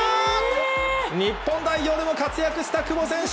日本代表でも活躍した久保選手。